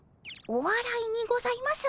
おわらいにございます